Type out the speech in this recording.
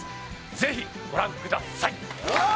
ぜひご覧ください。